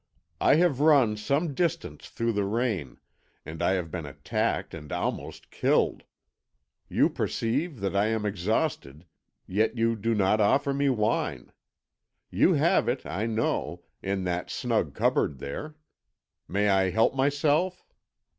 I have run some distance through the rain, and I have been attacked and almost killed. You perceive that I am exhausted, yet you do not offer me wine. You have it, I know, in that snug cupboard there. May I help myself?